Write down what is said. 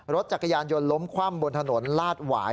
รถจักรยานยนต์ล้มคว่ำบนถนนลาดหวาย